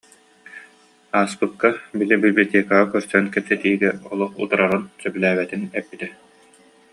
Ааспыкка, били библиотекаҕа көрсөн кэпсэтиигэ олох утарарын, сөбүлээбэтин эппитэ